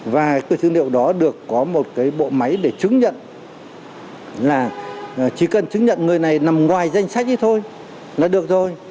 và cái dữ liệu đó được có một cái bộ máy để chứng nhận là chỉ cần chứng nhận người này nằm ngoài danh sách thôi là được thôi